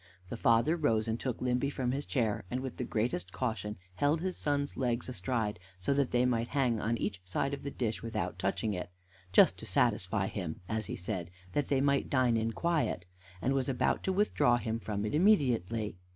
The father rose, and took Limby from his chair, and, with the greatest caution, held his son's legs astride, so that they might hang on each side of the dish without touching it "just to satisfy him," as he said, "that they might dine in quiet " and was about to withdraw him from it immediately.